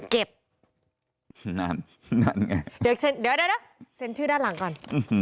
นั่นนั่นไงเดี๋ยวเซ็นชื่อด้านหลังก่อน